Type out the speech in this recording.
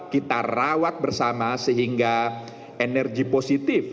kita rawat bersama sehingga energi positif